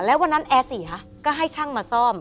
แล้ววันนั้นแอร์เสียก็ให้ช่างมาซ่อม